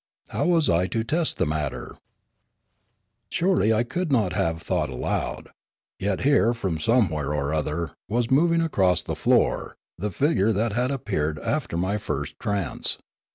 How was I to test the matter ? Surely I could not have thought aloud. Yet here from somewhere or other was moving across the floor the figure that had appeared after my first trance.